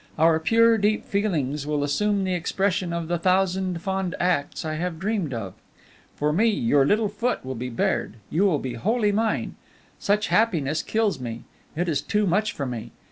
Our pure, deep feelings will assume the expression of the thousand fond acts I have dreamed of. For me your little foot will be bared, you will be wholly mine! Such happiness kills me; it is too much for me.